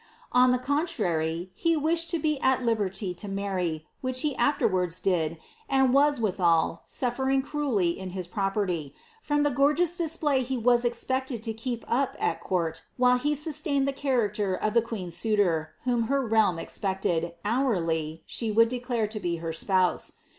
On the contrary, he wished lo be at liberty to marry, whic afterwards did, and was, withal, safiering cruelly in bis property, I the ^oigeoui display he was expected to keep up at court while he tuned the character of the queen's suitor, whom her realm expe< hourly, she would declare to be her spouse.